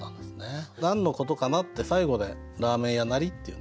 何のことかなって最後で「ラーメン屋なり」っていうね。